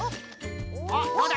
どうだ！？